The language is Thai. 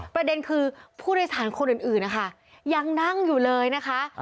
ประเด็นคือผู้โดยสารคนอื่นนะคะยังนั่งอยู่เลยนะคะ